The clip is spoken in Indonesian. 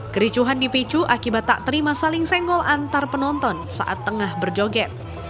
kericuhan dipicu akibat tak terima saling senggol antar penonton saat tengah berjoget